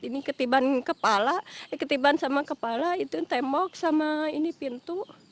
ini ketiban kepala ketiban sama kepala itu tembok sama ini pintu